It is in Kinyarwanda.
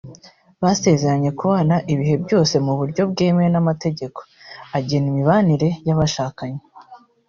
Basezeranye kubana ibihe byose mu buryo bwemewe n’amategeko agena imibanire y’abashakanye